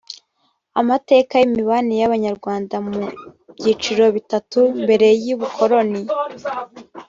amateka y imibanire y abanyarwanda mu byiciro bitatu mbere y ubukoroni